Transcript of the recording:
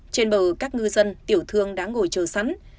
trên bờ các ngư dân tiểu thương đã ngồi chờ sẵn